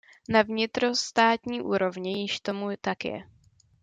Na vnitrostátní úrovni již tomu tak je.